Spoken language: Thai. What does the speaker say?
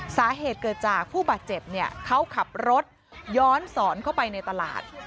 สาเหตุเกิดจากผู้บาดเจ็บเนี่ยเขาขับรถย้อนสอนเข้าไปในตลาด